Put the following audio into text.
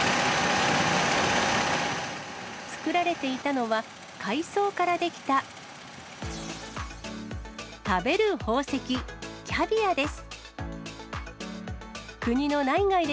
作られていたのは、海藻から出来た食べる宝石、キャビアです。